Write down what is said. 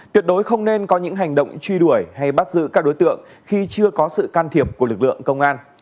tuyệt đối không nên có những hành động truy đuổi hay bắt giữ các đối tượng khi chưa có sự can thiệp của lực lượng công an